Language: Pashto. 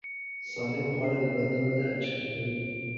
سالم خواړه د بدن وده چټکوي.